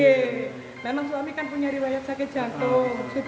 memang suami kan punya riwayat sakit jantung